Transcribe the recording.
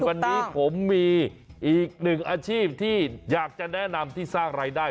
วันนี้ผมมีอีกหนึ่งอาชีพที่อยากจะแนะนำที่สร้างรายได้